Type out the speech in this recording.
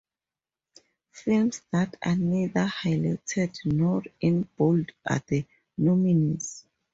Films that are neither highlighted nor in bold are the nominees.